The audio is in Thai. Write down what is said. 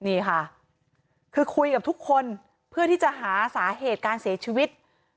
นี่ค่ะคือคุยกับทุกคนเพื่อที่จะหาสาเหตุการเสียชีวิต